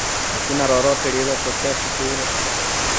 hakuna lolote lililotokea siku ile